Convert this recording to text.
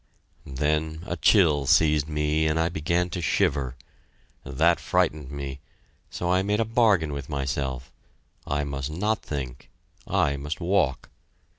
Then a chill seized me, and I began to shiver. That frightened me, so I made a bargain with myself I must not think, I must walk.